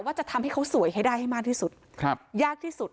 จะทำให้เขาสวยให้ได้ให้มากที่สุดยากที่สุด